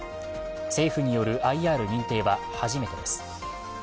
政府によるＩＲ認定は初めてです。